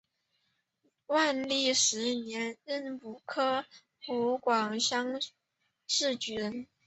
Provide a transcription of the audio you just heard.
万历十年壬午科湖广乡试举人。